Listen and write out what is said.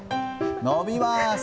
伸びます。